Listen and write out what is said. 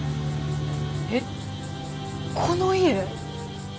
えっこの家！？